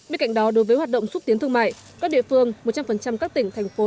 bên cạnh đó đối với hoạt động xúc tiến thương mại các địa phương một trăm linh các tỉnh thành phố